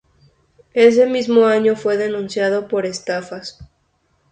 Ese mismo año fue denunciado por estafas.